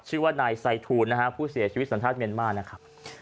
ชื่อว่านายไซทูนผู้เสียชีวิตสันทัศน์เมียนมานนะครับ